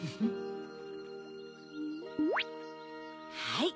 はい。